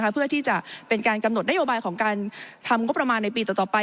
เพื่อที่จะเป็นการกำหนดนโยบายของการทำงบประมาณในปีต่อไป